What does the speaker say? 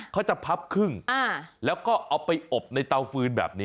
เขาจะพับครึ่งแล้วก็เอาไปอบในเตาฟืนแบบนี้